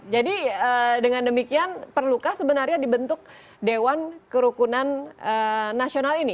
jadi dengan demikian perlukah sebenarnya dibentuk dewan kerukunan nasional ini